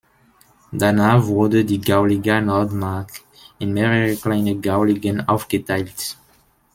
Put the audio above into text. Danach wurde die Gauliga Nordmark in mehrere kleine Gauligen aufgeteilt.